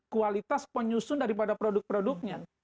kualitas penyusun daripada produk produknya